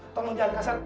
tunggu jangan kasar